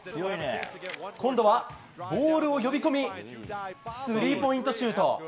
今度はボールを呼び込みスリーポイントシュート！